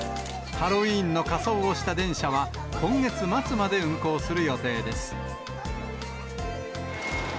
ハロウィーンの仮装をした電車は、今月末まで運行する予定です。